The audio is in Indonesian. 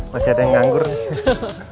masih ada yang nganggur sih